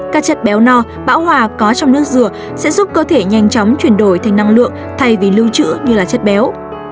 các chất béo no bão hòa có trong nước dừa sẽ giúp cơ thể nhanh chóng chuyển đổi thành năng lượng thay vì lưu trữ như là chất béo